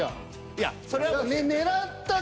いやそれは。